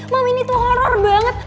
mam ini tuh horror banget